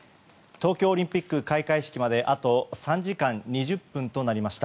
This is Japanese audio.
東京オリンピック開会式まであと３時間２０分となりました。